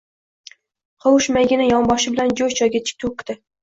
Qovushmaygina, yonboshi bilan bo’sh joyga cho’kdi.